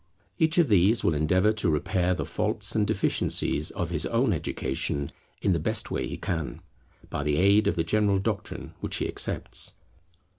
Each of these will endeavour to repair the faults and deficiencies of his own education in the best way he can, by the aid of the general doctrine which he accepts.